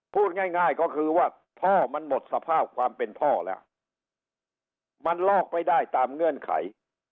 พูดง่ายก็คือว่าพ่อมันหมดสภาพความเป็นพ่อแล้วมันลอกไปได้ตามเงื่อนไข